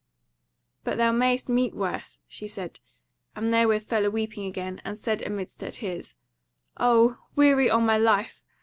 "But thou mayest meet worse," she said; and therewith fell a weeping again, and said amidst her tears: "O weary on my life!